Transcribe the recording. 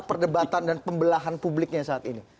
perdebatan dan pembelahan publiknya saat ini